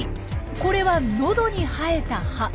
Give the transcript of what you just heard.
これは喉に生えた歯。